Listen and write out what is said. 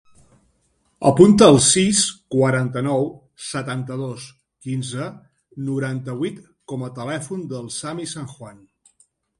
Apunta el sis, quaranta-nou, setanta-dos, quinze, noranta-vuit com a telèfon del Sami Sanjuan.